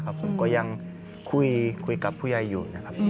ผมก็ยังคุยกับผู้ใหญ่อยู่นะครับ